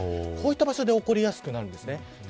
こういった場所で起こりやすくなるんです。